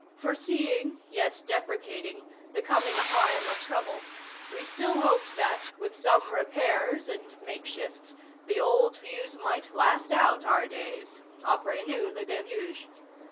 Foreseeing, yet deprecating, the coming time of trouble, we still hoped, that, with some repairs and make shifts, the old views might last out our days. Apr├©s nous le deluge.